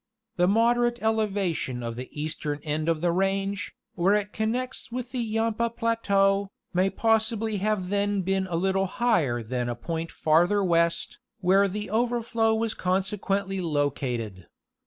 The moderate elevation of the eastern end of the range, where it connects with the Yampa plateau, may possibly have then been a little higher than a point farther west, where the overflow was consequently located.